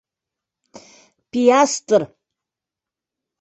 «ПИАСТР!»